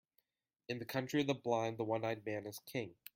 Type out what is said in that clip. In the country of the blind, the one-eyed man is king.